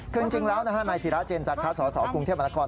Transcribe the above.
คือจริงแล้วนายศิราเจนจักระสสกรุงเทพมนตรกร